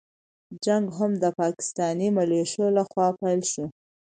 جنګ هم د پاکستاني مليشو له خوا پيل شو.